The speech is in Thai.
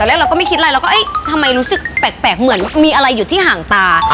แล้วก็ทำไมรู้สึกแปลกเหมือนมีอะไรอยู่ที่ห่างตา